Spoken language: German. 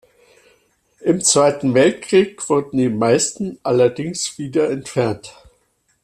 Im Zweiten Weltkrieg wurden die meisten allerdings wieder entfernt.